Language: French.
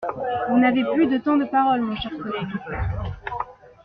Vous n’avez plus de temps de parole, mon cher collègue.